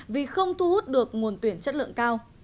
vì không thu hút được nguồn tuyển chất lượng cao